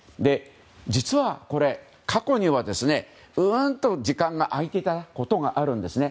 実は、これ過去にはうわーんと時間が空いていたんですね。